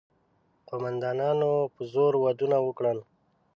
قوماندانانو په زور ودونه وکړل.